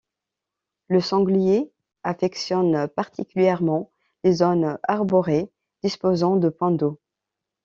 Le sanglier affectionne particulièrement les zones arborées disposant de points d'eau.